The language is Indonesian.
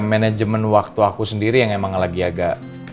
manajemen waktu aku sendiri yang emang lagi agak